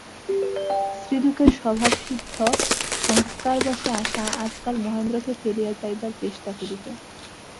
স্ত্রীলোকের স্বভাবসিদ্ধ সংস্কারবশে আশা আজকাল মহেন্দ্রকে ফেলিয়া যাইবার চেষ্টা করিত।